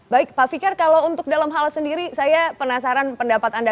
baik pak fikar kalau untuk dalam hal sendiri saya penasaran pendapat anda